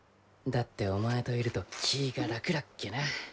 だってお前といると気ぃが楽らっけな。